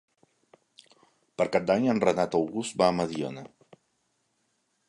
Per Cap d'Any en Renat August va a Mediona.